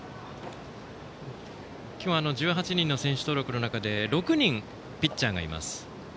今日、１８人の選手登録の中で６人ピッチャーがいます。